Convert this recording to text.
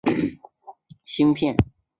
展讯的产品为移动电话芯片。